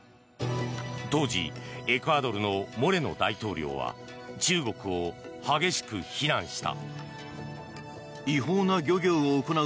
当時エクアドルのモレノ大統領は中国を激しく非難した。